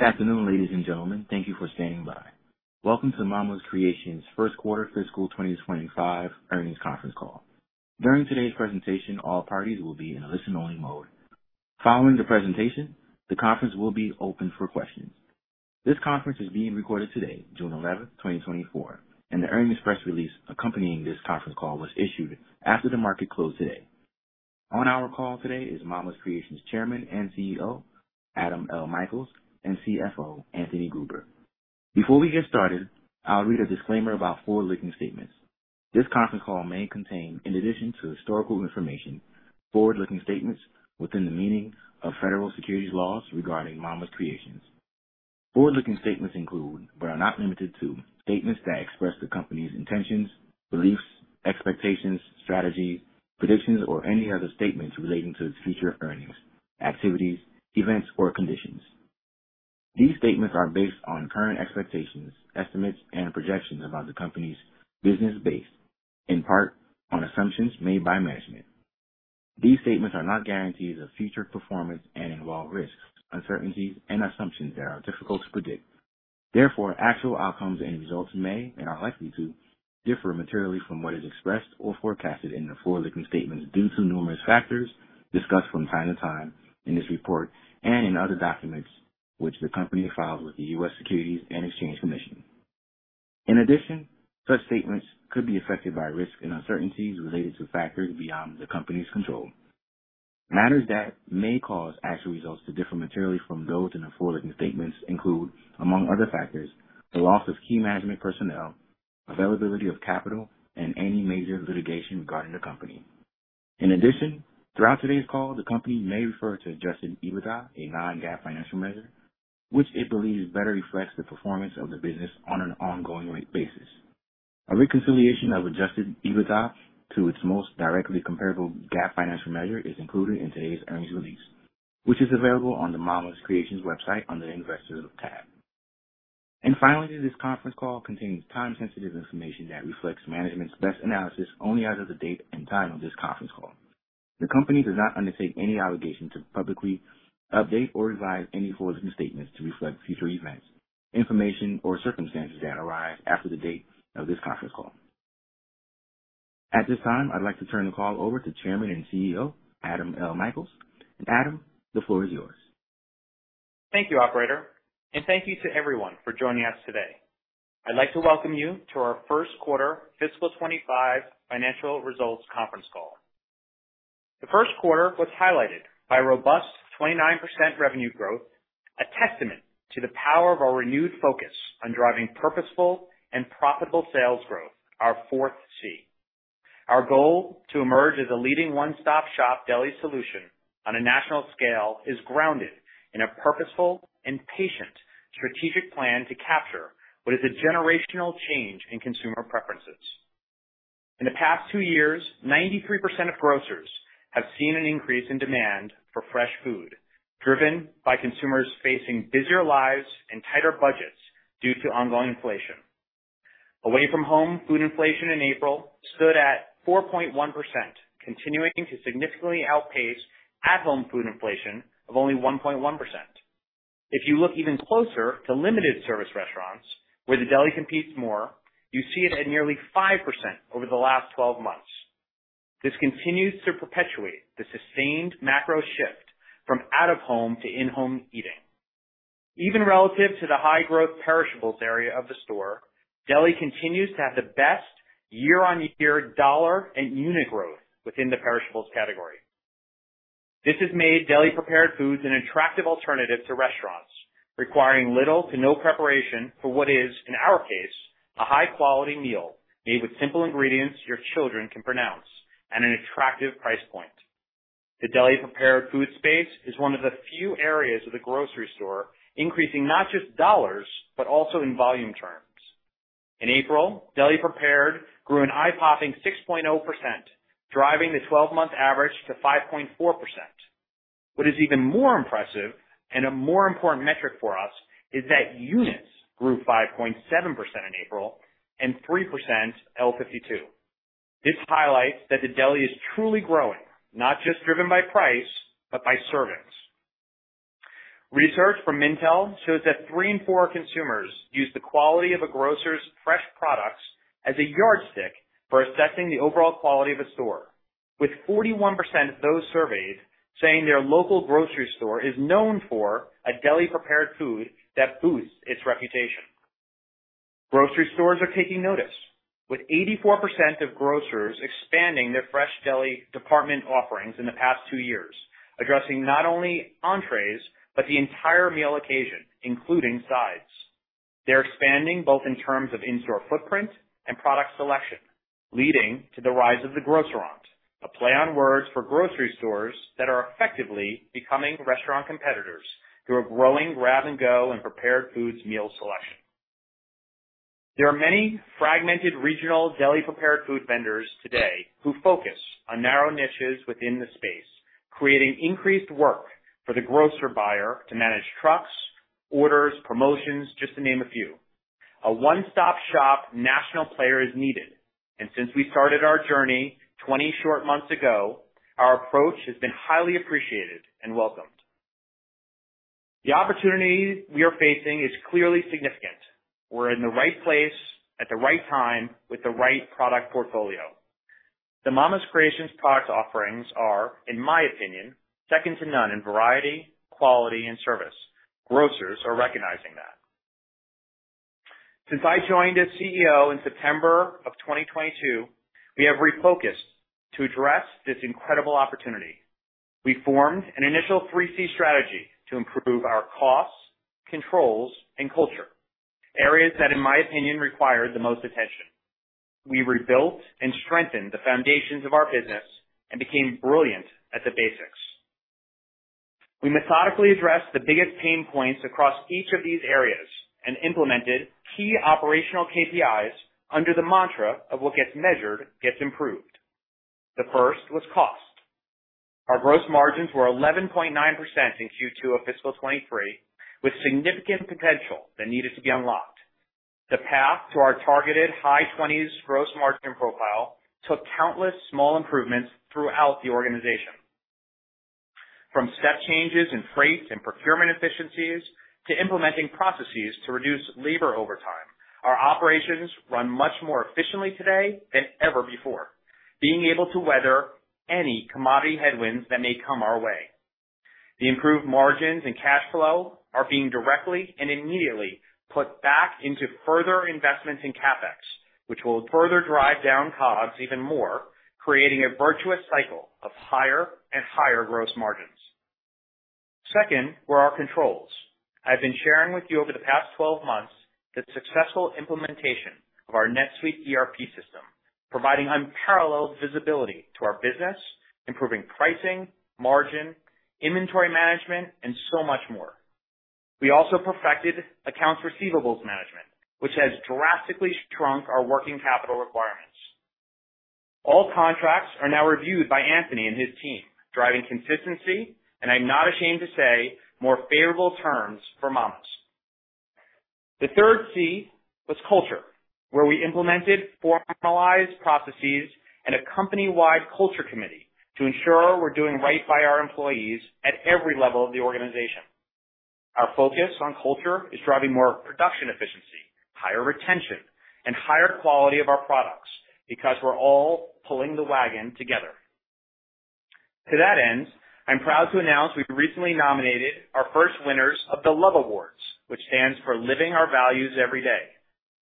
Good afternoon, ladies and gentlemen. Thank you for standing by. Welcome to Mama's Creations' First Quarter Fiscal 2025 Earnings Conference Call. During today's presentation, all parties will be in a listen-only mode. Following the presentation, the conference will be open for questions. This conference is being recorded today, June 11, 2024, and the earnings press release accompanying this conference call was issued after the market closed today. On our call today is Mama's Creations Chairman and CEO, Adam L. Michaels, and CFO, Anthony Gruber. Before we get started, I'll read a disclaimer about forward-looking statements. This conference call may contain, in addition to historical information, forward-looking statements within the meaning of federal securities laws regarding Mama's Creations. Forward-looking statements include, but are not limited to, statements that express the company's intentions, beliefs, expectations, strategy, predictions, or any other statements relating to its future earnings, activities, events, or conditions. These statements are based on current expectations, estimates, and projections about the company's business base, in part on assumptions made by management. These statements are not guarantees of future performance and involve risks, uncertainties, and assumptions that are difficult to predict. Therefore, actual outcomes and results may, and are likely to, differ materially from what is expressed or forecasted in the forward-looking statements due to numerous factors discussed from time to time in this report and in other documents which the company files with the U.S. Securities and Exchange Commission. In addition, such statements could be affected by risks and uncertainties related to factors beyond the company's control. Matters that may cause actual results to differ materially from those in the forward-looking statements include, among other factors, the loss of key management personnel, availability of capital, and any major litigation regarding the company. In addition, throughout today's call, the company may refer to Adjusted EBITDA, a non-GAAP financial measure, which it believes better reflects the performance of the business on an ongoing rate basis. A reconciliation of Adjusted EBITDA to its most directly comparable GAAP financial measure is included in today's earnings release, which is available on the Mama's Creations website under the Investors tab. Finally, this conference call contains time-sensitive information that reflects management's best analysis only as of the date and time of this conference call. The company does not undertake any obligation to publicly update or revise any forward-looking statements to reflect future events, information, or circumstances that arise after the date of this conference call. At this time, I'd like to turn the call over to Chairman and CEO, Adam L. Michaels. Adam, the floor is yours. Thank you, operator, and thank you to everyone for joining us today. I'd like to welcome you to our first quarter fiscal 2025 financial results conference call. The first quarter was highlighted by robust 29% revenue growth, a testament to the power of our renewed focus on driving purposeful and profitable sales growth, our fourth C. Our goal to emerge as a leading one-stop-shop deli solution on a national scale is grounded in a purposeful and patient strategic plan to capture what is a generational change in consumer preferences. In the past two years, 93% of grocers have seen an increase in demand for fresh food, driven by consumers facing busier lives and tighter budgets due to ongoing inflation. Away from home, food inflation in April stood at 4.1%, continuing to significantly outpace at-home food inflation of only 1.1%. If you look even closer to limited service restaurants, where the deli competes more, you see it at nearly 5% over the last 12 months. This continues to perpetuate the sustained macro shift from out-of-home to in-home eating. Even relative to the high growth perishables area of the store, deli continues to have the best year-on-year dollar and unit growth within the perishables category. This has made deli-prepared foods an attractive alternative to restaurants, requiring little to no preparation for what is, in our case, a high-quality meal made with simple ingredients your children can pronounce at an attractive price point. The deli-prepared food space is one of the few areas of the grocery store increasing not just dollars, but also in volume terms. In April, deli-prepared grew an eye-popping 6.0%, driving the 12-month average to 5.4%. What is even more impressive, and a more important metric for us, is that units grew 5.7% in April and 3% L52. This highlights that the deli is truly growing, not just driven by price, but by servings. Research from Mintel shows that three in four consumers use the quality of a grocer's fresh products as a yardstick for assessing the overall quality of a store, with 41% of those surveyed saying their local grocery store is known for a deli-prepared food that boosts its reputation. Grocery stores are taking notice, with 84% of grocers expanding their fresh deli department offerings in the past two years, addressing not only entrees, but the entire meal occasion, including sides. They're expanding both in terms of in-store footprint and product selection, leading to the rise of the grocerant, a play on words for grocery stores that are effectively becoming restaurant competitors through a growing grab-and-go and prepared foods meal selection. There are many fragmented regional deli-prepared food vendors today who focus on narrow niches within the space, creating increased work for the grocer buyer to manage trucks, orders, promotions, just to name a few. A one-stop-shop national player is needed, and since we started our journey 20 short months ago, our approach has been highly appreciated and welcomed. The opportunity we are facing is clearly significant. We're in the right place at the right time with the right product portfolio. The Mama's Creations product offerings are, in my opinion, second to none in variety, quality, and service. Grocers are recognizing that. Since I joined as CEO in September of 2022, we have refocused to address this incredible opportunity. We formed an initial Three C Strategy to improve our costs, controls, and culture, areas that, in my opinion, required the most attention. We rebuilt and strengthened the foundations of our business and became brilliant at the basics. We methodically addressed the biggest pain points across each of these areas and implemented key operational KPIs under the mantra of what gets measured, gets improved. The first was cost. Our gross margins were 11.9% in Q2 of fiscal 2023, with significant potential that needed to be unlocked. The path to our targeted high 20s gross margin profile took countless small improvements throughout the organization. From step changes in freight and procurement efficiencies to implementing processes to reduce labor overtime, our operations run much more efficiently today than ever before, being able to weather any commodity headwinds that may come our way. The improved margins and cash flow are being directly and immediately put back into further investments in CapEx, which will further drive down costs even more, creating a virtuous cycle of higher and higher gross margins. Second, were our controls. I've been sharing with you over the past 12 months, the successful implementation of our NetSuite ERP system, providing unparalleled visibility to our business, improving pricing, margin, inventory management, and so much more. We also perfected accounts receivables management, which has drastically shrunk our working capital requirements. All contracts are now reviewed by Anthony and his team, driving consistency, and I'm not ashamed to say, more favorable terms for Mama's. The third C was culture, where we implemented formalized processes and a company-wide culture committee to ensure we're doing right by our employees at every level of the organization. Our focus on culture is driving more production efficiency, higher retention, and higher quality of our products because we're all pulling the wagon together. To that end, I'm proud to announce we've recently nominated our first winners of the LOVE Awards, which stands for Living Our Values Every Day,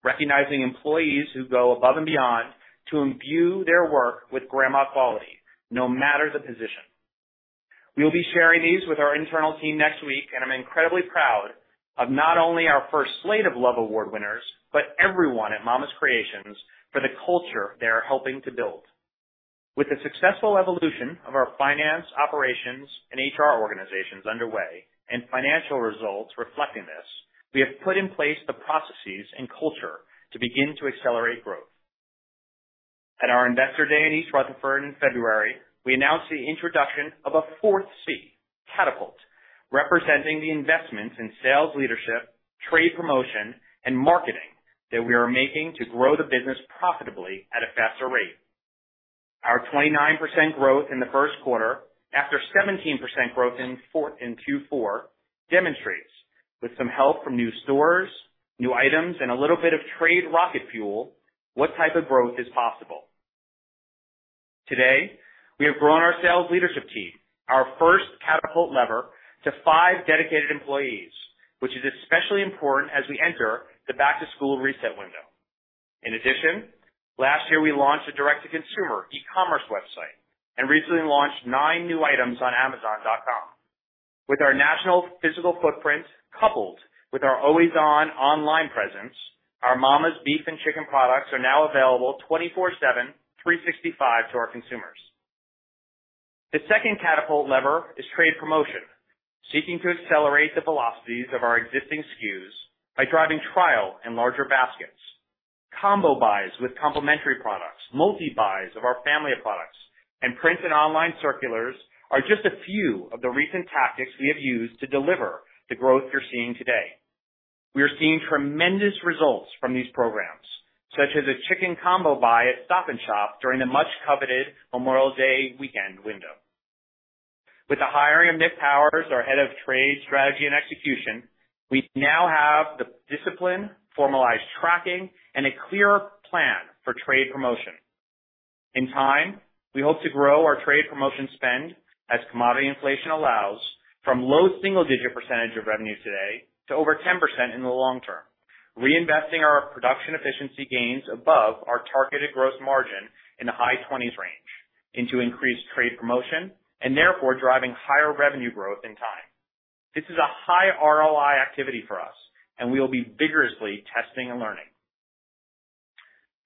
recognizing employees who go above and beyond to imbue their work with grandma quality, no matter the position. We'll be sharing these with our internal team next week, and I'm incredibly proud of not only our first slate of LOVE Award winners, but everyone at Mama's Creations for the culture they are helping to build. With the successful evolution of our finance, operations and HR organizations underway and financial results reflecting this, we have put in place the processes and culture to begin to accelerate growth. At our Investor Day in East Rutherford in February, we announced the introduction of a fourth C, Catapult, representing the investments in sales leadership, trade promotion, and marketing that we are making to grow the business profitably at a faster rate. Our 29% growth in the first quarter, after 17% growth in Q4, demonstrates, with some help from new stores, new items, and a little bit of trade rocket fuel, what type of growth is possible. Today, we have grown our sales leadership team, our first Catapult lever, to five dedicated employees, which is especially important as we enter the back-to-school reset window. In addition, last year, we launched a direct-to-consumer e-commerce website and recently launched 9 new items on Amazon.com. With our national physical footprint, coupled with our always-on online presence, our Mama's beef and chicken products are now available 24/7, 365 to our consumers. The second Catapult lever is trade promotion, seeking to accelerate the velocities of our existing SKUs by driving trial and larger baskets. Combo buys with complementary products, multi-buys of our family of products, and print and online circulars are just a few of the recent tactics we have used to deliver the growth you're seeing today. We are seeing tremendous results from these programs, such as a chicken combo buy at Stop & Shop during the much-coveted Memorial Day weekend window. With the hiring of Nick Powers, our head of trade strategy and execution, we now have the discipline, formalized tracking, and a clear plan for trade promotion. In time, we hope to grow our trade promotion spend as commodity inflation allows, from low single-digit percent of revenue today to over 10% in the long term, reinvesting our production efficiency gains above our targeted gross margin in the high 20s range into increased trade promotion and therefore driving higher revenue growth in time. This is a high ROI activity for us, and we will be vigorously testing and learning.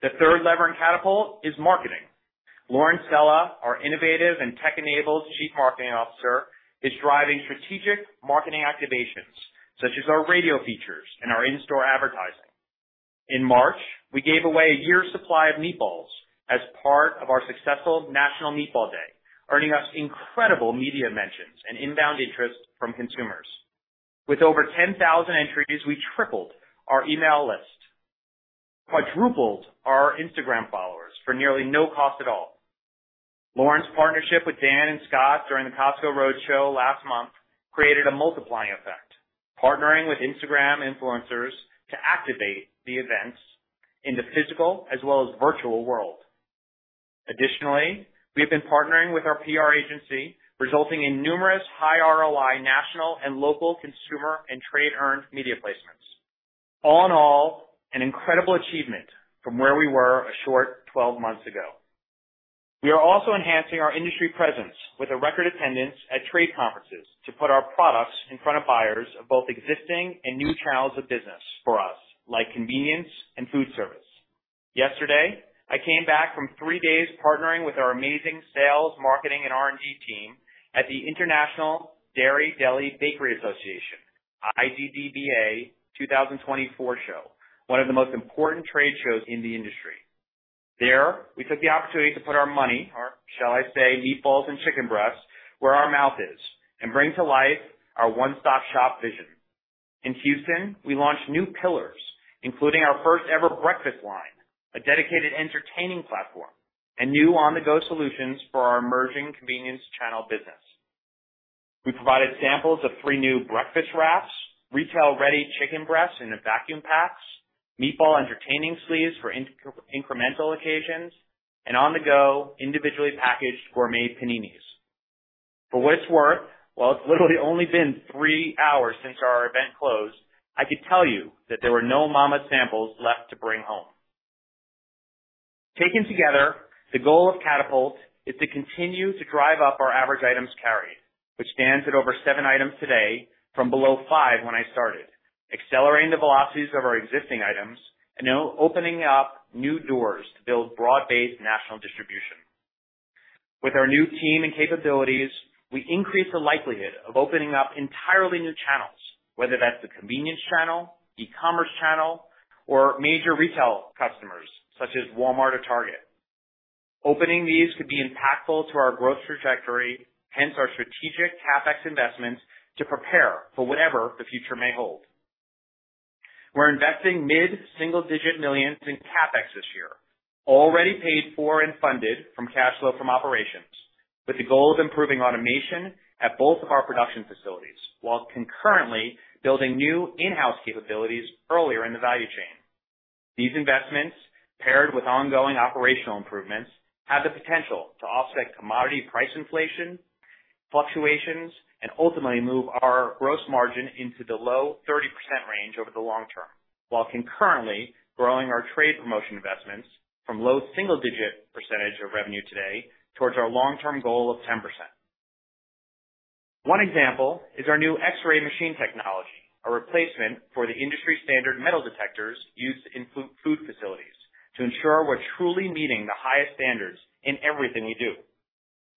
The third lever in Catapult is marketing. Lauren Sella, our innovative and tech-enabled Chief Marketing Officer, is driving strategic marketing activations such as our radio features and our in-store advertising. In March, we gave away a year's supply of meatballs as part of our successful National Meatball Day. earning us incredible media mentions and inbound interest from consumers. With over 10,000 entries, we tripled our email list, quadrupled our Instagram followers for nearly no cost at all. Lauren's partnership with Dan and Scott during the Costco Roadshow last month created a multiplying effect, partnering with Instagram influencers to activate the events in the physical as well as virtual world. Additionally, we have been partnering with our PR agency, resulting in numerous high ROI national and local consumer and trade earned media placements. All in all, an incredible achievement from where we were a short 12 months ago. We are also enhancing our industry presence with a record attendance at trade conferences to put our products in front of buyers of both existing and new channels of business for us, like convenience and food service. Yesterday, I came back from three days partnering with our amazing sales, marketing, and R&D team at the International Dairy Deli Bakery Association, IDDBA, 2024 show, one of the most important trade shows in the industry. There, we took the opportunity to put our money, or shall I say, meatballs and chicken breasts, where our mouth is, and bring to life our one-stop-shop vision. In Houston, we launched new pillars, including our first ever breakfast line, a dedicated entertaining platform, and new on-the-go solutions for our emerging convenience channel business. We provided samples of three new breakfast wraps, retail-ready chicken breasts in the vacuum packs, meatball entertaining sleeves for incremental occasions, and on-the-go, individually packaged gourmet paninis. For what it's worth, while it's literally only been three hours since our event closed, I could tell you that there were no Mama samples left to bring home. Taken together, the goal of Catapult is to continue to drive up our average items carried, which stands at over seven items today from below five when I started, accelerating the velocities of our existing items and now opening up new doors to build broad-based national distribution. With our new team and capabilities, we increase the likelihood of opening up entirely new channels, whether that's the convenience channel, e-commerce channel, or major retail customers such as Walmart or Target. Opening these could be impactful to our growth trajectory, hence our strategic CapEx investments to prepare for whatever the future may hold. We're investing mid-single digit millions in CapEx this year, already paid for and funded from cash flow from operations, with the goal of improving automation at both of our production facilities, while concurrently building new in-house capabilities earlier in the value chain. These investments, paired with ongoing operational improvements, have the potential to offset commodity price inflation, fluctuations, and ultimately move our gross margin into the low 30% range over the long term, while concurrently growing our trade promotion investments from low single-digit percentage of revenue today towards our long-term goal of 10%. One example is our new X-ray machine technology, a replacement for the industry standard metal detectors used in food facilities to ensure we're truly meeting the highest standards in everything we do.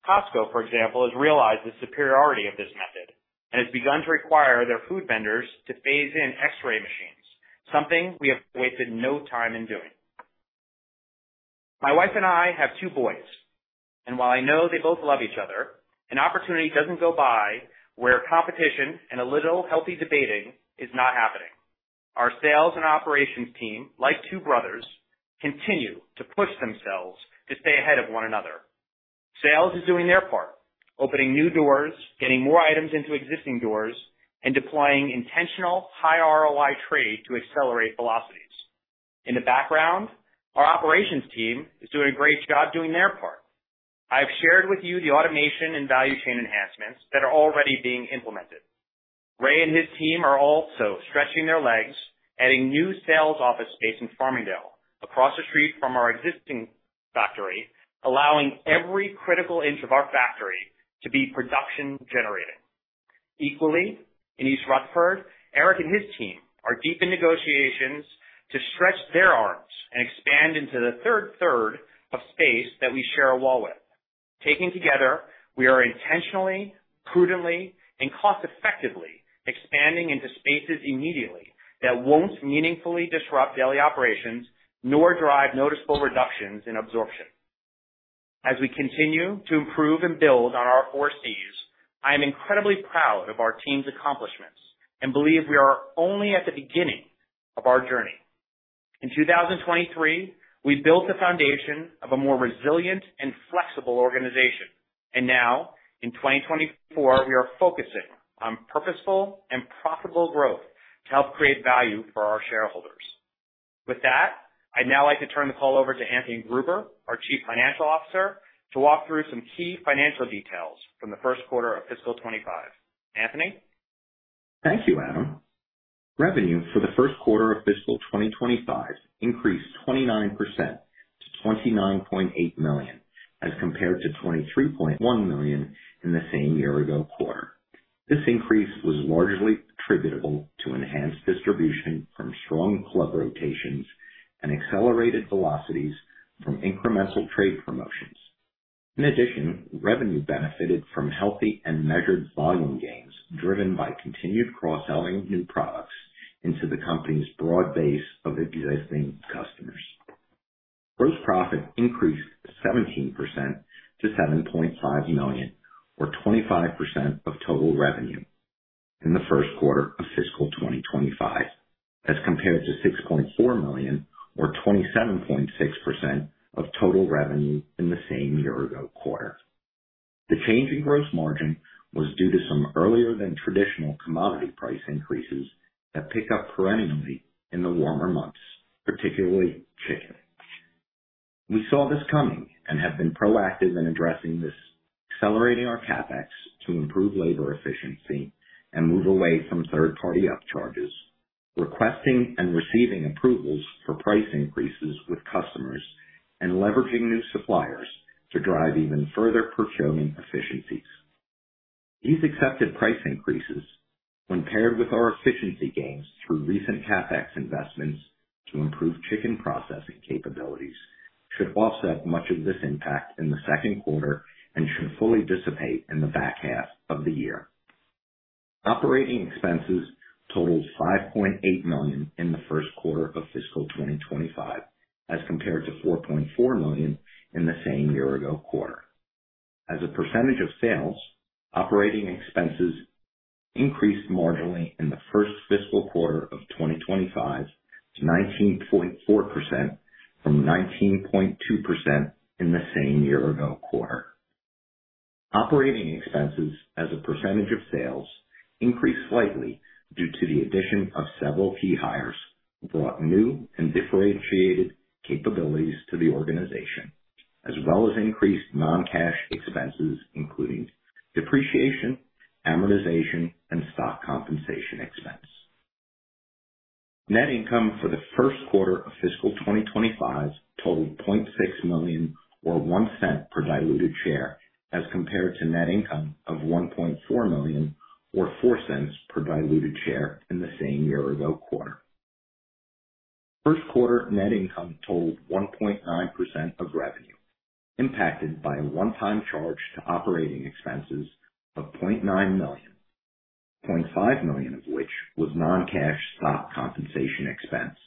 Costco, for example, has realized the superiority of this method and has begun to require their food vendors to phase in X-ray machines, something we have wasted no time in doing. My wife and I have two boys, and while I know they both love each other, an opportunity doesn't go by where competition and a little healthy debating is not happening. Our sales and operations team, like two brothers, continue to push themselves to stay ahead of one another. Sales is doing their part, opening new doors, getting more items into existing doors, and deploying intentional high ROI trade to accelerate velocities. In the background, our operations team is doing a great job doing their part. I've shared with you the automation and value chain enhancements that are already being implemented. Ray and his team are also stretching their legs, adding new sales office space in Farmingdale, across the street from our existing factory, allowing every critical inch of our factory to be production generating. Equally, in East Rutherford, Eric and his team are deep in negotiations to stretch their arms and expand into the third third of space that we share a wall with. Taken together, we are intentionally, prudently, and cost effectively expanding into spaces immediately that won't meaningfully disrupt daily operations, nor drive noticeable reductions in absorption. As we continue to improve and build on our four Cs, I am incredibly proud of our team's accomplishments and believe we are only at the beginning of our journey. In 2023, we built the foundation of a more resilient and flexible organization, and now in 2024, we are focusing on purposeful and profitable growth to help create value for our shareholders. With that, I'd now like to turn the call over to Anthony Gruber, our Chief Financial Officer, to walk through some key financial details from the first quarter of fiscal 2025. Anthony? Thank you, Adam. Revenue for the first quarter of fiscal 2025 increased 29% to $29.8 million, as compared to $23.1 million in the same year ago quarter. This increase was largely attributable to enhanced distribution from strong club rotations and accelerated velocities from incremental trade promotions. In addition, revenue benefited from healthy and measured volume gains, driven by continued cross-selling new products into the company's broad base of existing customers. Gross profit increased 17% to $7.5 million, or 25% of total revenue in the first quarter of fiscal 2025, as compared to $6.4 million or 27.6% of total revenue in the same year ago quarter. The change in gross margin was due to some earlier than traditional commodity price increases that pick up perennially in the warmer months, particularly chicken. We saw this coming and have been proactive in addressing this, accelerating our CapEx to improve labor efficiency and move away from third-party upcharges, requesting and receiving approvals for price increases with customers, and leveraging new suppliers to drive even further procurement efficiencies. These accepted price increases, when paired with our efficiency gains through recent CapEx investments to improve chicken processing capabilities, should offset much of this impact in the second quarter and should fully dissipate in the back half of the year. Operating expenses totaled $5.8 million in the first quarter of fiscal 2025, as compared to $4.4 million in the same year ago quarter. As a percentage of sales, operating expenses increased marginally in the first fiscal quarter of 2025 to 19.4% from 19.2% in the same year ago quarter. Operating expenses as a percentage of sales increased slightly due to the addition of several key hires, who brought new and differentiated capabilities to the organization, as well as increased non-cash expenses, including depreciation, amortization, and stock compensation expense. Net income for the first quarter of fiscal 2025 totaled $0.6 million, or $0.01 per diluted share, as compared to net income of $1.4 million, or $0.04 per diluted share in the same year ago quarter. First quarter net income totaled 1.9% of revenue, impacted by a one-time charge to operating expenses of $0.9 million, $0.5 million of which was non-cash stock compensation expense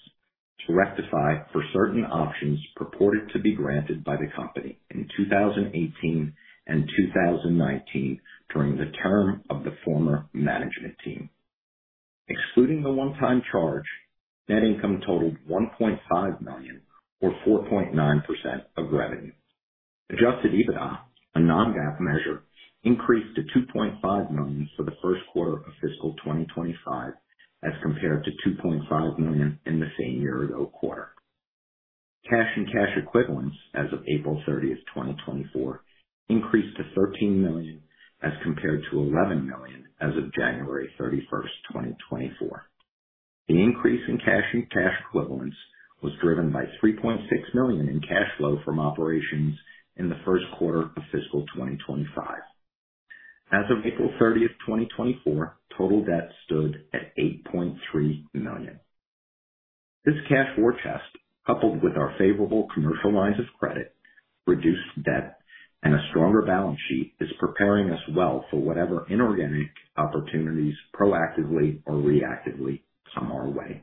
to rectify for certain options purported to be granted by the company in 2018 and 2019 during the term of the former management team. Excluding the one-time charge, net income totaled $1.5 million or 4.9% of revenue. Adjusted EBITDA, a non-GAAP measure, increased to $2.5 million for the first quarter of fiscal 2025, as compared to $2.5 million in the same year-ago quarter. Cash and cash equivalents as of April 30, 2024, increased to $13 million, as compared to $11 million as of January 31, 2024. The increase in cash and cash equivalents was driven by $3.6 million in cash flow from operations in the first quarter of fiscal 2025. As of April 30, 2024, total debt stood at $8.3 million. This cash war chest, coupled with our favorable commercial lines of credit, reduced debt and a stronger balance sheet, is preparing us well for whatever inorganic opportunities, proactively or reactively, come our way.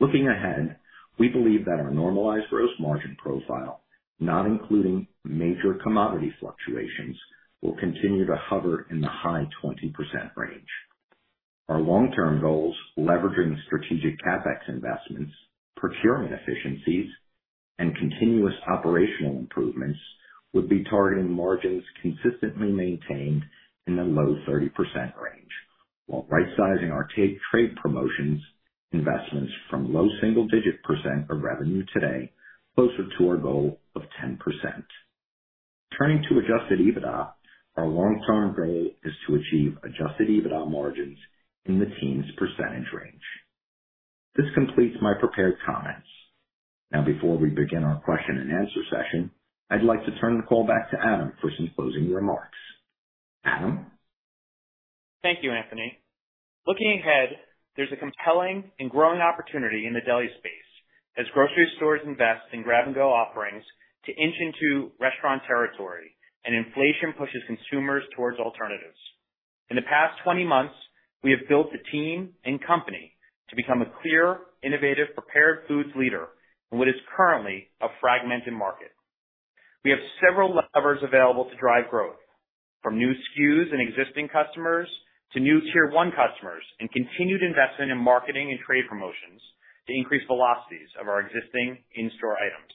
Looking ahead, we believe that our normalized gross margin profile, not including major commodity fluctuations, will continue to hover in the high 20% range. Our long-term goals, leveraging strategic CapEx investments, procurement efficiencies, and continuous operational improvements, would be targeting margins consistently maintained in the low 30% range, while rightsizing our trade promotions, investments from low single-digit percent of revenue today closer to our goal of 10%. Turning to adjusted EBITDA, our long-term goal is to achieve Adjusted EBITDA margins in the teens percent range. This completes my prepared comments. Now, before we begin our question and answer session, I'd like to turn the call back to Adam for some closing remarks. Adam? Thank you, Anthony. Looking ahead, there's a compelling and growing opportunity in the deli space as grocery stores invest in grab-and-go offerings to inch into restaurant territory and inflation pushes consumers towards alternatives. In the past 20 months, we have built the team and company to become a clear, innovative, prepared foods leader in what is currently a fragmented market. We have several levers available to drive growth, from new SKUs and existing customers to new Tier One customers, and continued investment in marketing and trade promotions to increase velocities of our existing in-store items.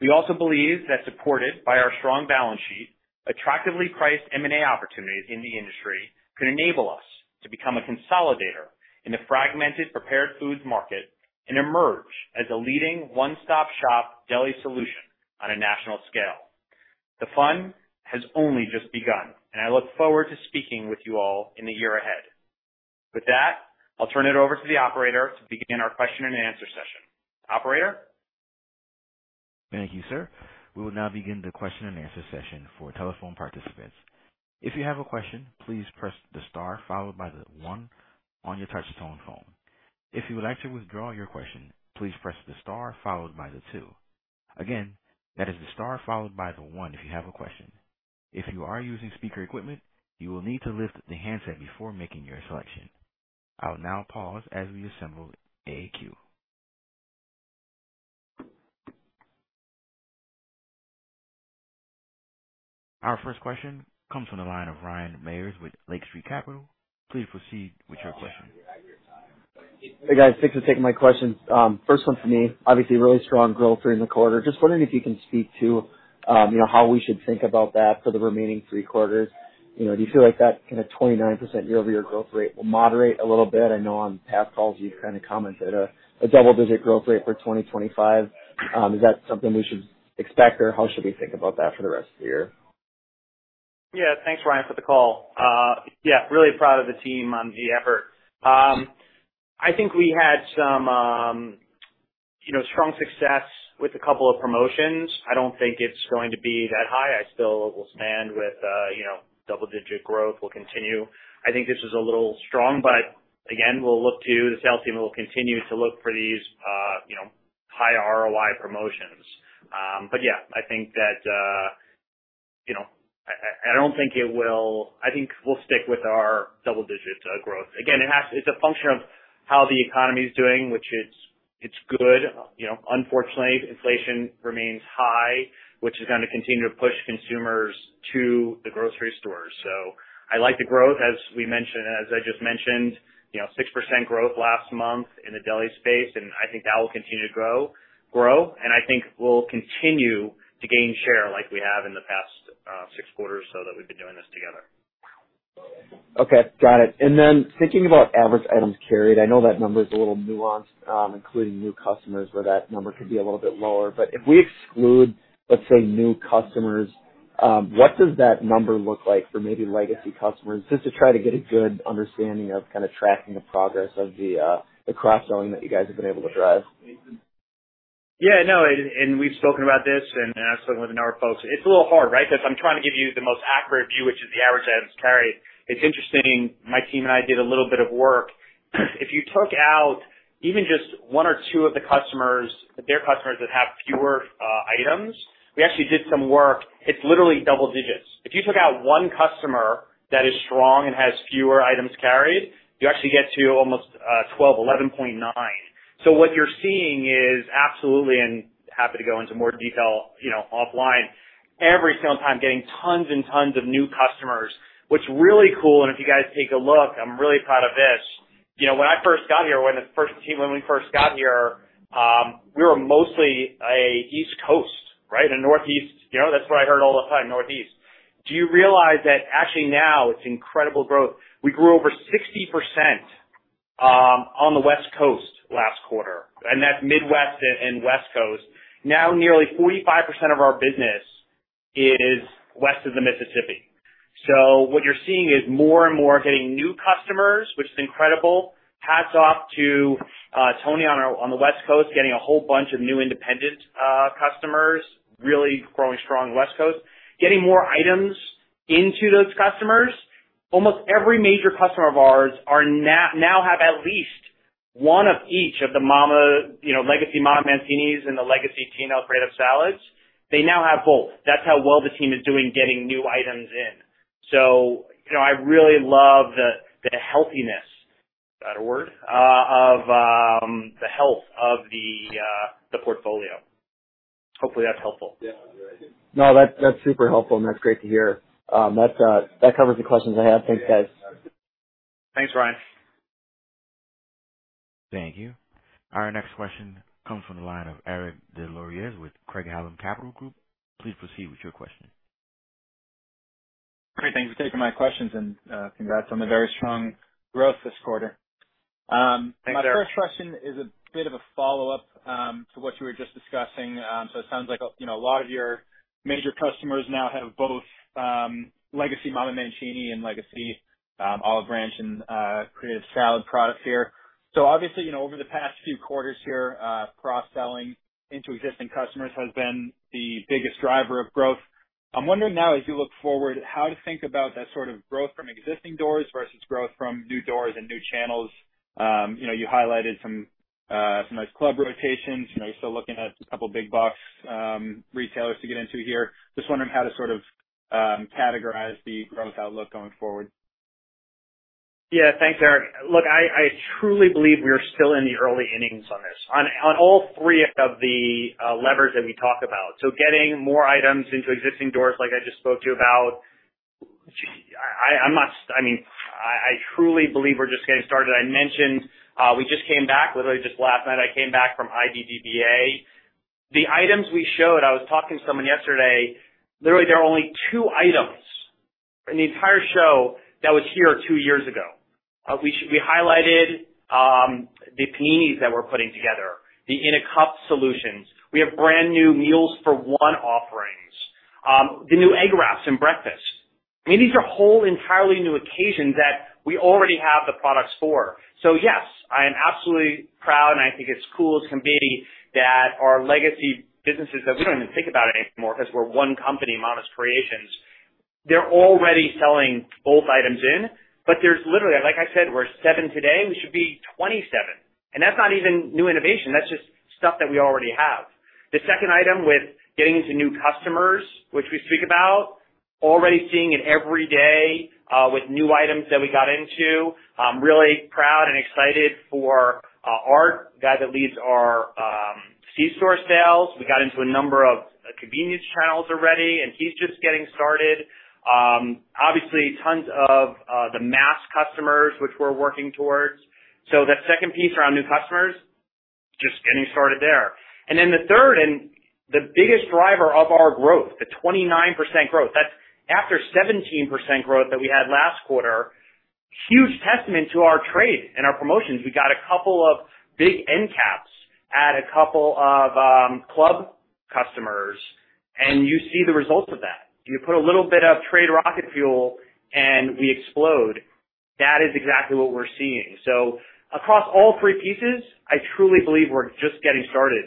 We also believe that, supported by our strong balance sheet, attractively priced M&A opportunities in the industry could enable us to become a consolidator in the fragmented prepared foods market and emerge as a leading one-stop-shop deli solution on a national scale. The fun has only just begun, and I look forward to speaking with you all in the year ahead. With that, I'll turn it over to the operator to begin our question and answer session. Operator? Thank you, sir. We will now begin the question and answer session for telephone participants. If you have a question, please press the star followed by the one on your touch tone phone. If you would like to withdraw your question, please press the star followed by the two. Again, that is the star followed by the one if you have a question. If you are using speaker equipment, you will need to lift the handset before making your selection. I'll now pause as we assemble AQ. Our first question comes from the line of Ryan Meyers with Lake Street Capital. Please proceed with your question. Hey, guys. Thanks for taking my questions. First one for me, obviously, really strong growth during the quarter. Just wondering if you can speak to, you know, how we should think about that for the remaining three quarters. You know, do you feel like that kind of 29% year-over-year growth rate will moderate a little bit? I know on past calls, you've kind of commented a double-digit growth rate for 2025. Is that something we should expect, or how should we think about that for the rest of the year? Yeah, thanks, Ryan, for the call. Yeah, really proud of the team on the effort. I think we had some, you know, strong success with a couple of promotions. I don't think it's going to be that high. I still will stand with, you know, double-digit growth will continue. I think this is a little strong, but again, we'll look to the sales team will continue to look for these, you know, higher ROI promotions. But yeah, I think that, you know, I don't think it will. I think we'll stick with our double-digit growth. Again, it's a function of how the economy is doing, which it's good. You know, unfortunately, inflation remains high, which is going to continue to push consumers to the grocery store. So I like the growth. As we mentioned, as I just mentioned, you know, 6% growth last month in the deli space, and I think that will continue to grow, grow. And I think we'll continue to gain share like we have in the past, 6 quarters, so that we've been doing this together. Okay, got it. And then thinking about average items carried, I know that number is a little nuanced, including new customers, where that number could be a little bit lower. But if we exclude, let's say, new customers, what does that number look like for maybe legacy customers? Just to try to get a good understanding of kind of tracking the progress of the cross-selling that you guys have been able to drive. Yeah, no, we've spoken about this, and I've spoken with our folks. It's a little hard, right? Because I'm trying to give you the most accurate view, which is the average items carried. It's interesting. My team and I did a little bit of work. If you took out even just 1 or 2 of the customers, their customers that have fewer items, we actually did some work. It's literally double digits. If you took out one customer that is strong and has fewer items carried, you actually get to almost 12, 11.9. So what you're seeing is absolutely, and happy to go into more detail, you know, offline, every sale time, getting tons and tons of new customers. What's really cool, and if you guys take a look, I'm really proud of this. You know, when I first got here, when we first got here, we were mostly a East Coast, right? A Northeast, you know, that's what I heard all the time, Northeast. Do you realize that actually now it's incredible growth. We grew over 60% on the West Coast last quarter, and that's Midwest and West Coast. Now, nearly 45% of our business is west of the Mississippi. So what you're seeing is more and more getting new customers, which is incredible. Hats off to Tony on the West Coast, getting a whole bunch of new independent customers, really growing strong on the West Coast. Getting more items into those customers. Almost every major customer of ours are now have at least one of each of the Mama, you know, legacy MamaMancini's and the T&L Creative Salads. They now have both. That's how well the team is doing, getting new items in. So, you know, I really love the healthiness, is that a word? Of the health of the portfolio. Hopefully, that's helpful. No, that's, that's super helpful, and that's great to hear. That covers the questions I have. Thanks, guys. Thanks, Ryan. Thank you. Our next question comes from the line of Eric Des Lauriers with Craig-Hallum Capital Group. Please proceed with your question. Great. Thanks for taking my questions, and, congrats on the very strong growth this quarter. Thanks, Eric. My first question is a bit of a follow-up to what you were just discussing. So it sounds like, you know, a lot of your major customers now have both legacy MamaMancini's and legacy Olive Branch and Creative Salads products here. So obviously, you know, over the past few quarters here, cross-selling into existing customers has been the biggest driver of growth. I'm wondering now, as you look forward, how to think about that sort of growth from existing doors versus growth from new doors and new channels. You know, you highlighted some nice club rotations. You know, you're still looking at a couple big-box retailers to get into here. Just wondering how to sort of categorize the growth outlook going forward. Yeah. Thanks, Eric. Look, I truly believe we are still in the early innings on this, on all three of the levers that we talk about. So getting more items into existing doors, like I just spoke to you about, I mean, I truly believe we're just getting started. I mentioned, we just came back, literally just last night, I came back from IDDBA. The items we showed, I was talking to someone yesterday, literally, there are only two items in the entire show that was here two years ago. We highlighted the paninis that we're putting together, the in a cup solutions. We have brand-new meals for one offerings, the new egg wraps and breakfast. I mean, these are whole entirely new occasions that we already have the products for. So yes, I am absolutely proud, and I think it's cool as can be that our legacy businesses that we don't even think about anymore, because we're one company, Mama's Creations. They're already selling both items in, but there's literally, like I said, we're 7 today, we should be 27. And that's not even new innovation. That's just stuff that we already have. The second item with getting into new customers, which we speak about already seeing it every day with new items that we got into. I'm really proud and excited for Art, the guy that leads our C-store sales. We got into a number of convenience channels already, and he's just getting started. Obviously, tons of the mass customers, which we're working towards. So the second piece around new customers, just getting started there. Then the third and the biggest driver of our growth, the 29% growth, that's after 17% growth that we had last quarter, huge testament to our trade and our promotions. We got a couple of big end caps at a couple of club customers, and you see the results of that. You put a little bit of trade rocket fuel, and we explode. That is exactly what we're seeing. Across all three pieces, I truly believe we're just getting started.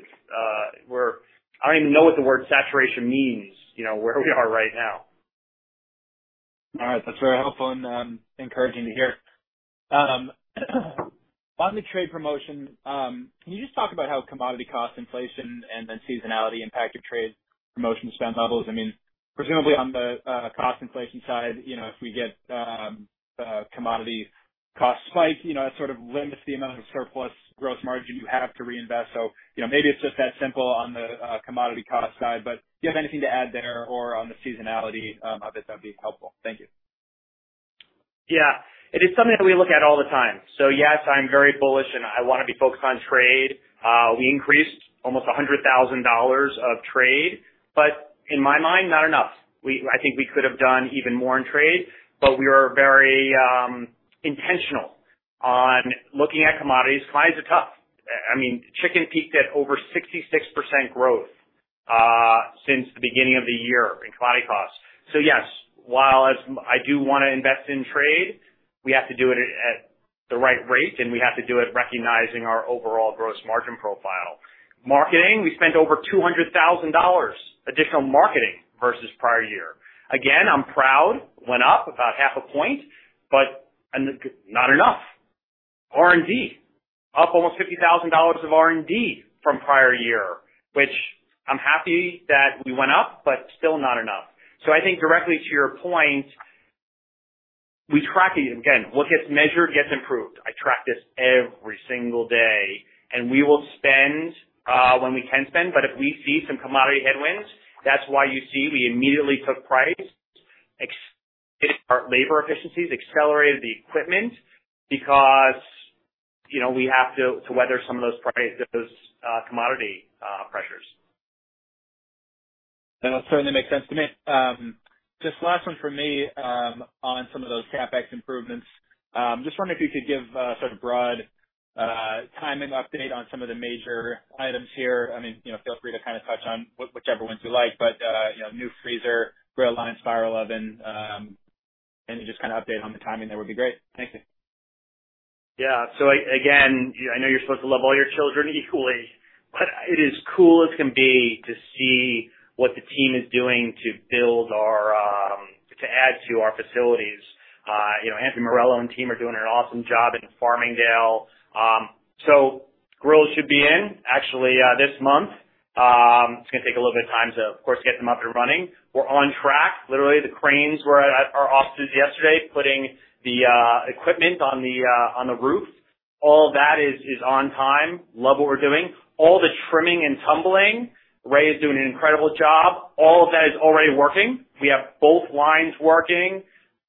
We're I don't even know what the word saturation means, you know, where we are right now. All right. That's very helpful and, encouraging to hear. On the trade promotion, can you just talk about how commodity cost inflation and then seasonality impact your trade promotion spend levels? I mean, presumably on the, cost inflation side, you know, if we get, a commodity cost spike, you know, that sort of limits the amount of surplus gross margin you have to reinvest. So, you know, maybe it's just that simple on the, commodity cost side, but do you have anything to add there, or on the seasonality, of it? That'd be helpful. Thank you. Yeah, it is something that we look at all the time. So, yes, I'm very bullish, and I want to be focused on trade. We increased almost $100,000 of trade, but in my mind, not enough. I think we could have done even more in trade, but we are very intentional on looking at commodities. Clients are tough. I mean, chicken peaked at over 66% growth since the beginning of the year in commodity costs. So, yes, while as I do want to invest in trade, we have to do it at the right rate, and we have to do it recognizing our overall gross margin profile. Marketing, we spent over $200,000 additional marketing versus prior year. Again, I'm proud, went up about half a point, but, and not enough. R&D, up almost $50,000 of R&D from prior year, which I'm happy that we went up, but still not enough. So I think directly to your point, we track it. Again, what gets measured gets improved. I track this every single day, and we will spend when we can spend, but if we see some commodity headwinds, that's why you see we immediately took price, except our labor efficiencies accelerated the equipment because, you know, we have to to weather some of those price, those commodity pressures. That certainly makes sense to me. Just last one from me, on some of those CapEx improvements. Just wondering if you could give a sort of broad, timing update on some of the major items here. I mean, you know, feel free to kind of touch on whichever ones you like, but, you know, new freezer, grill line, spiral oven, and just kind of update on the timing, that would be great. Thank you. Yeah. So again, I know you're supposed to love all your children equally, but it is cool as can be to see what the team is doing to build our, to add to our facilities. You know, Anthony Morello and team are doing an awesome job in Farmingdale. So grills should be in actually, this month. It's gonna take a little bit of time to, of course, get them up and running. We're on track. Literally, the cranes were at our offices yesterday, putting the, equipment on the, on the roof. All that is, is on time. Love what we're doing. All the trimming and tumbling, Ray is doing an incredible job. All of that is already working. We have both lines working,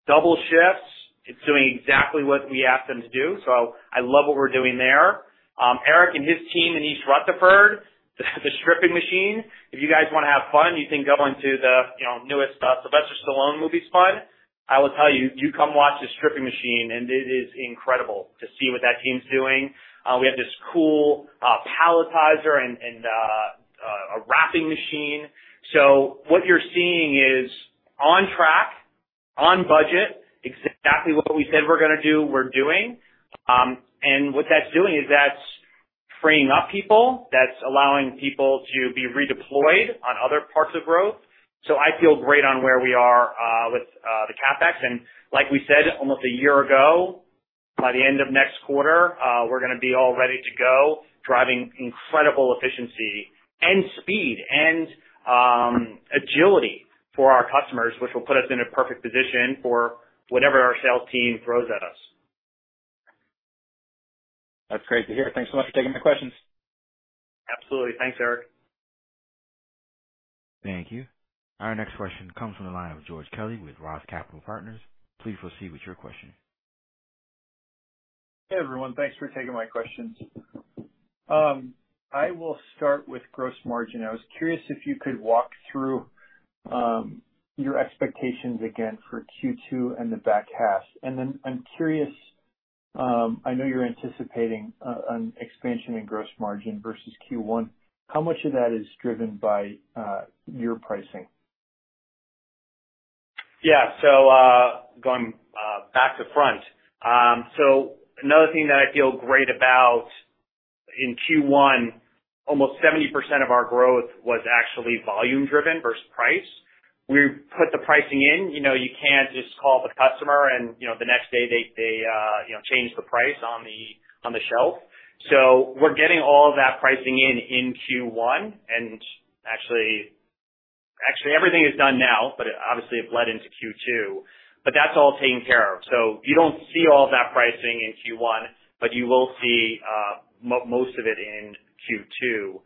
double shifts. It's doing exactly what we asked them to do. So I love what we're doing there. Eric and his team in East Rutherford, the stripping machine. If you guys want to have fun, you think going to the, you know, newest, Sylvester Stallone Sly, I will tell you, you come watch the stripping machine, and it is incredible to see what that team's doing. We have this cool, palletizer and, and, a wrapping machine. So what you're seeing is on track, on budget, exactly what we said we're gonna do, we're doing. And what that's doing is that's freeing up people. That's allowing people to be redeployed on other parts of growth. So I feel great on where we are, with, the CapEx. Like we said, almost a year ago, by the end of next quarter, we're gonna be all ready to go, driving incredible efficiency and speed and, agility for our customers, which will put us in a perfect position for whatever our sales team throws at us. That's great to hear. Thanks so much for taking my questions. Absolutely. Thanks, Eric. Thank you. Our next question comes from the line of George Kelly with ROTH Capital Partners. Please proceed with your question. Hey, everyone. Thanks for taking my questions. I will start with gross margin. I was curious if you could walk through your expectations again for Q2 and the back half. Then I'm curious, I know you're anticipating an expansion in gross margin versus Q1. How much of that is driven by your pricing? Yeah. So, going back to front. So another thing that I feel great about, in Q1, almost 70% of our growth was actually volume driven versus price. We put the pricing in. You know, you can't just call the customer and, you know, the next day they, they, you know, change the price on the, on the shelf. So we're getting all of that pricing in, in Q1, and actually, actually, everything is done now, but obviously it bled into Q2. But that's all taken care of. So you don't see all that pricing in Q1, but you will see most of it in Q2.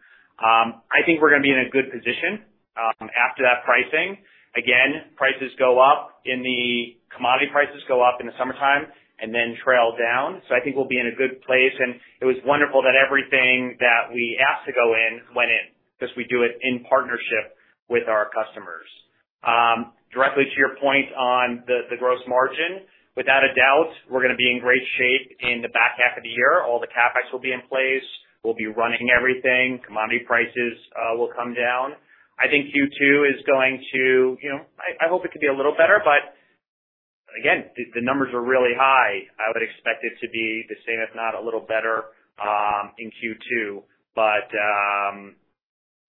I think we're gonna be in a good position after that pricing. Again, commodity prices go up in the summertime and then trail down. So I think we'll be in a good place, and it was wonderful that everything that we asked to go in, went in, because we do it in partnership with our customers. Directly to your point on the Gross Margin, without a doubt, we're gonna be in great shape in the back half of the year. All the CapEx will be in place. We'll be running everything. Commodity prices will come down. I think Q2 is going to, you know, I hope it can be a little better, but again, the numbers are really high. I would expect it to be the same, if not a little better in Q2. But,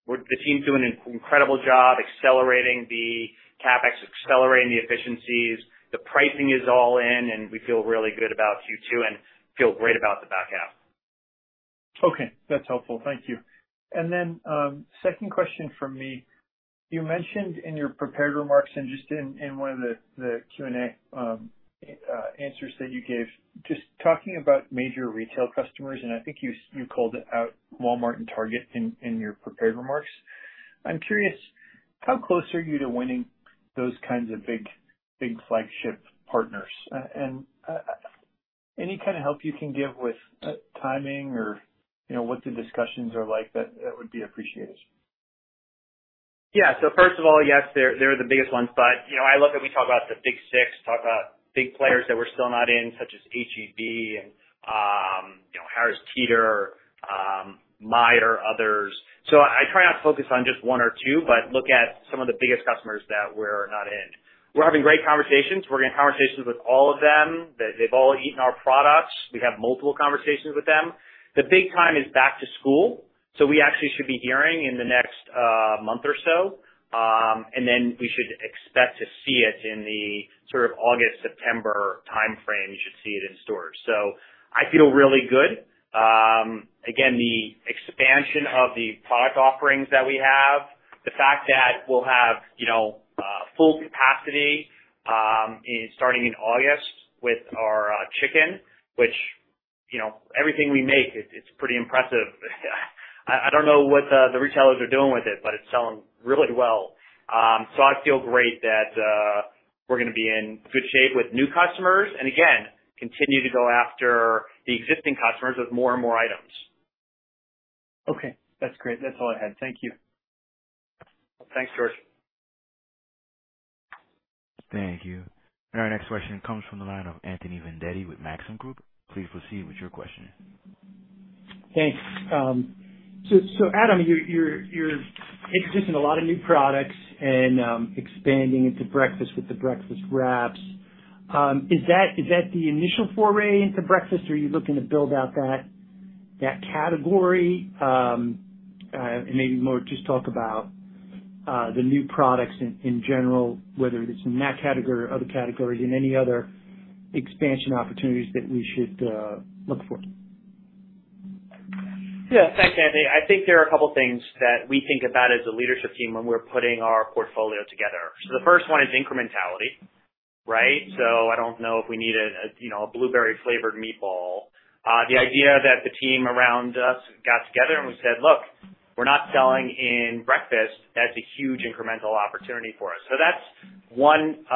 we're the team's doing an incredible job accelerating the CapEx, accelerating the efficiencies. The pricing is all in, and we feel really good about Q2 and feel great about the back half. Okay, that's helpful. Thank you. And then, second question from me. You mentioned in your prepared remarks and just in, in one of the, the Q&A, answers that you gave, just talking about major retail customers, and I think you, you called out Walmart and Target in, in your prepared remarks. I'm curious, how close are you to winning those kinds of big, big flagship partners? And, any kind of help you can give with, timing or, you know, what the discussions are like, that would be appreciated. Yeah. So first of all, yes, they're, they're the biggest ones, but, you know, I love that we talk about the Big Six, talk about big players that we're still not in, such as H-E-B and, you know, Harris Teeter, Meijer, others. So I try not to focus on just one or two, but look at some of the biggest customers that we're not in. We're having great conversations. We're having conversations with all of them. They've all eaten our products. We've had multiple conversations with them. The big time is back to school, so we actually should be hearing in the next month or so, and then we should expect to see it in the sort of August, September timeframe, you should see it in stores. So I feel really good. Again, the expansion of the product offerings that we have, the fact that we'll have, you know, full capacity, in starting in August with our chicken, which, you know, everything we make, it's, it's pretty impressive. I, I don't know what the retailers are doing with it, but it's selling really well. So I feel great that we're gonna be in good shape with new customers, and again, continue to go after the existing customers with more and more items. Okay, that's great. That's all I had. Thank you. Thanks, George. Thank you. And our next question comes from the line of Anthony Vendetti with Maxim Group. Please proceed with your question. Thanks. So, Adam, you're introducing a lot of new products and expanding into breakfast with the breakfast wraps. Is that the initial foray into breakfast, or are you looking to build out that category? Maybe more just talk about the new products in general, whether it's in that category or other categories, and any other expansion opportunities that we should look for. Yeah. Thanks, Anthony. I think there are a couple things that we think about as a leadership team when we're putting our portfolio together. So the first one is incrementality, right? So I don't know if we need a you know, a blueberry-flavored meatball. The idea that the team around us got together, and we said: "Look, we're not selling in breakfast." That's a huge incremental opportunity for us. So that's one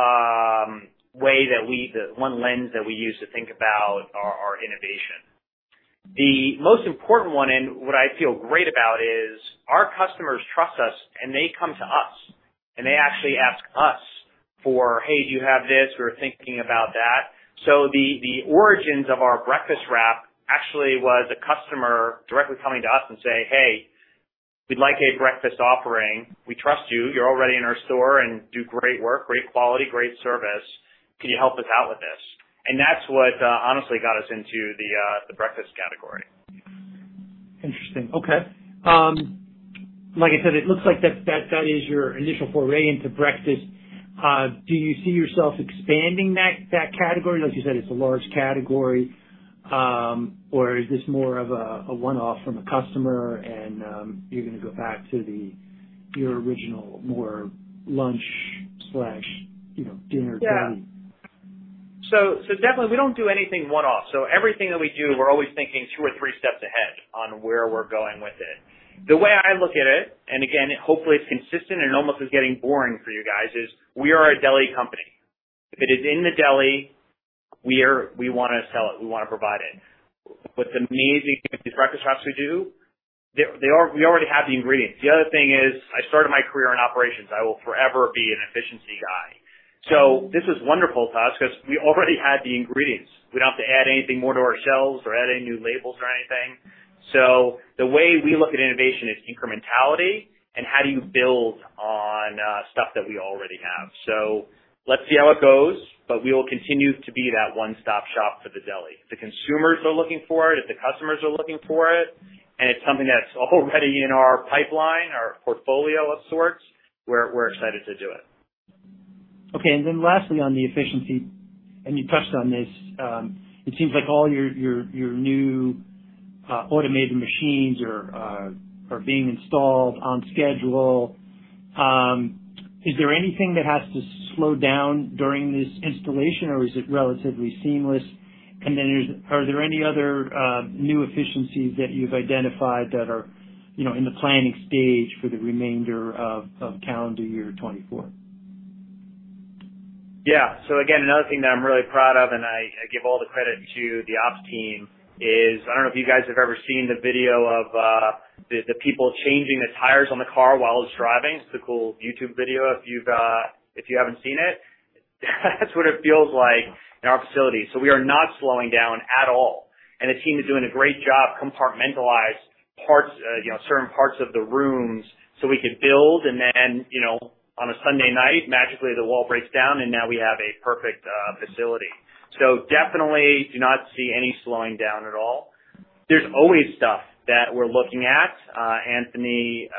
way that we the one lens that we use to think about our, our innovation. The most important one, and what I feel great about, is our customers trust us, and they come to us, and they actually ask us for, "Hey, do you have this? We're thinking about that." So the origins of our breakfast wrap actually was a customer directly coming to us and say: "Hey, we'd like a breakfast offering. We trust you. You're already in our store and do great work, great quality, great service. Can you help us out with this? And that's what, honestly got us into the, the breakfast category. Interesting. Okay. Like I said, it looks like that, that is your initial foray into breakfast. Do you see yourself expanding that, that category? Like you said, it's a large category, or is this more of a, a one-off from a customer and, you're gonna go back to the, your original, more lunch slash, you know, dinner daily? Yeah. So, so definitely we don't do anything one-off. So everything that we do, we're always thinking two or three steps ahead on where we're going with it. The way I look at it, and again, hopefully it's consistent and almost is getting boring for you guys, is we are a deli company. If it is in the deli, we are. We wanna sell it, we wanna provide it. With the amazing breakfast wraps we do, they, they all. We already have the ingredients. The other thing is, I started my career in operations. I will forever be an efficiency guy. So this is wonderful to us because we already had the ingredients. We don't have to add anything more to our shelves or add any new labels or anything. So the way we look at innovation is incrementality and how do you build on, stuff that we already have. So let's see how it goes, but we will continue to be that one-stop shop for the deli. If the consumers are looking for it, if the customers are looking for it, and it's something that's already in our pipeline, our portfolio of sorts, we're excited to do it. Okay, and then lastly, on the efficiency, and you touched on this, it seems like all your new automated machines are being installed on schedule. Is there anything that has to slow down during this installation, or is it relatively seamless? And then, are there any other new efficiencies that you've identified that are, you know, in the planning stage for the remainder of calendar year 2024? Yeah. So again, another thing that I'm really proud of, and I, I give all the credit to the ops team, is I don't know if you guys have ever seen the video of the people changing the tires on the car while it's driving. It's a cool YouTube video if you've, if you haven't seen it. That's what it feels like in our facility. So we are not slowing down at all, and the team is doing a great job compartmentalizing parts, you know, certain parts of the rooms, so we can build and then, you know, on a Sunday night, magically the wall breaks down, and now we have a perfect facility. So definitely do not see any slowing down at all. There's always stuff that we're looking at. Anthony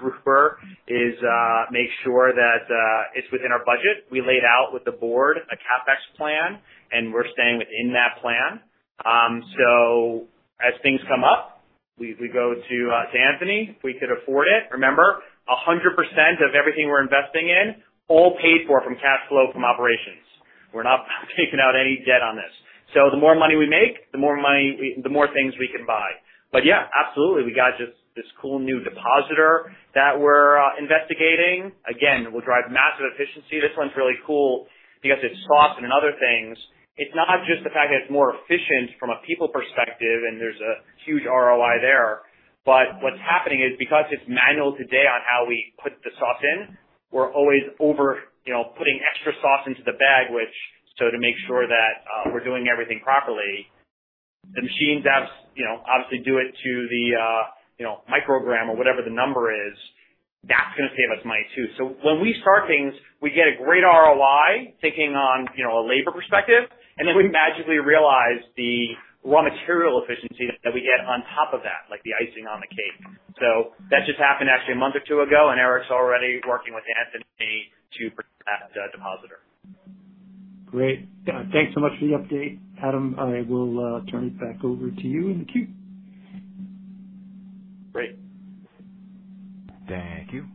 Gruber is make sure that it's within our budget. We laid out with the board a CapEx plan, and we're staying within that plan. So as things come up, we, we go to, to Anthony. If we could afford it. Remember, 100% of everything we're investing in, all paid for from cash flow from operations. We're not taking out any debt on this. So the more money we make, the more money we the more things we can buy. But yeah, absolutely, we got just this cool new depositor that we're investigating. Again, will drive massive efficiency. This one's really cool because it's sauce and other things. It's not just the fact that it's more efficient from a people perspective, and there's a huge ROI there, but what's happening is, because it's manual today on how we put the sauce in, we're always over, you know, putting extra sauce into the bag, which, so to make sure that, we're doing everything properly. The machine does, you know, obviously do it to the, you know, microgram or whatever the number is. That's gonna save us money, too. So when we start things, we get a great ROI, thinking on, you know, a labor perspective, and then we magically realize the raw material efficiency that we get on top of that, like the icing on the cake. So that just happened actually a month or two ago, and Eric's already working with Anthony to purchase that, depositor. Great. Thanks so much for the update. Adam, I will turn it back over to you in the queue. Great. Thank you.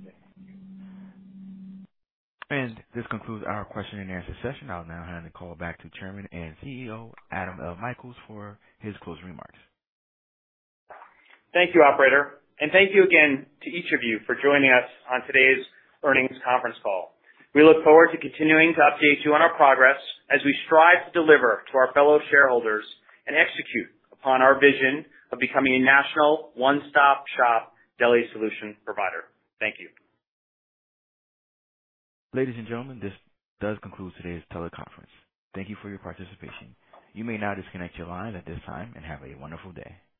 This concludes our question and answer session. I'll now hand the call back to Chairman and CEO, Adam L. Michaels, for his closing remarks. Thank you, operator, and thank you again to each of you for joining us on today's earnings conference call. We look forward to continuing to update you on our progress as we strive to deliver to our fellow shareholders and execute upon our vision of becoming a national one-stop-shop deli solution provider. Thank you. Ladies and gentlemen, this does conclude today's teleconference. Thank you for your participation. You may now disconnect your lines at this time and have a wonderful day.